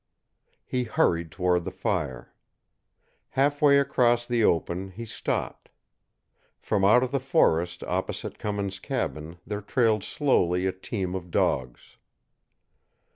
He hurried toward the fire. Half way across the open he stopped. From out of the forest opposite Cummins' cabin there trailed slowly a team of dogs.